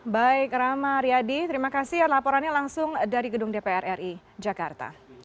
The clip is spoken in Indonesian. baik rama aryadi terima kasih laporannya langsung dari gedung dpr ri jakarta